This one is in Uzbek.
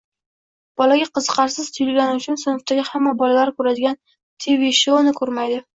bolaga qiziqarsiz tuyulgani uchun sinfdagi hamma bolalar ko‘radigan Tv shouni ko‘rmaydi.